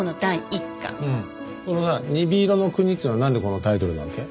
このさ『鈍色のくに』っつうのはなんでこのタイトルなわけ？